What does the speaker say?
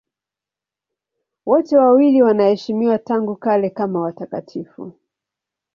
Wote wawili wanaheshimiwa tangu kale kama watakatifu.